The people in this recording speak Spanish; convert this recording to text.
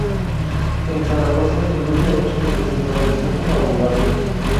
En Zaragoza estudió Derecho y se estableció como abogado.